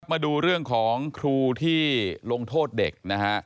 มาดูเรื่องของครูที่ลงโทษเด็กนะฮะ